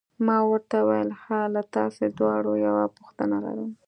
ما ورته وویل: ښه، له تاسي دواړو یوه غوښتنه لرم.